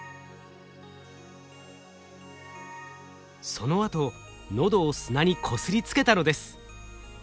そのあと喉を砂にこすりつけたのです。